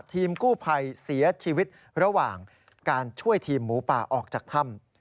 ทีมกู้ภัยเสียชีวิตระหว่างการช่วยทีมหมูป่าออกจากถ้ำ